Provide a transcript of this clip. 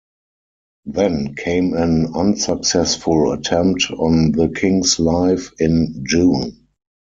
Then came an unsuccessful attempt on the King's life in June.